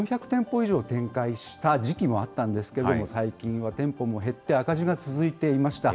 以上展開した時期もあったんですけれども、最近は店舗も減って、赤字が続いていました。